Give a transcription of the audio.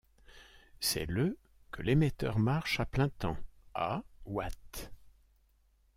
C'est le que l'émetteur marche à plein temps à watts.